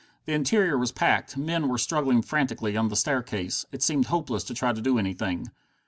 The interior was packed, men were struggling frantically on the staircase; it seemed hopeless to try to do anything.